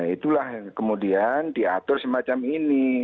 itulah yang kemudian diatur semacam ini